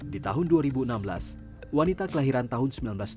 di tahun dua ribu enam belas wanita kelahiran tahun seribu sembilan ratus tujuh puluh